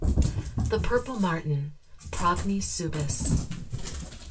THE PURPLE MARTIN. (_Progne subis.